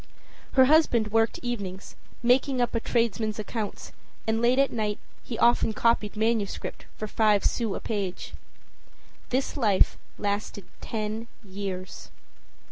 Her husband worked evenings, making up a tradesman's accounts, and late at night he often copied manuscript for five sous a page. This life lasted ten years.